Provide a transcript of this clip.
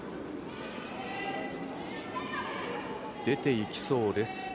出ていきそうです。